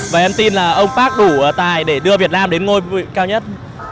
và em tin là ông park đủ tài để đưa việt nam đến ngôi cao nhất